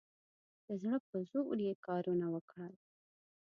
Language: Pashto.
د زړه په زور یې کارونه وکړل.